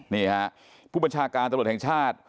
นี่ฮะผู้บัญชาการตำรวจแห่งชาติ